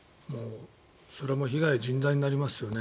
それも被害、甚大になりますよね。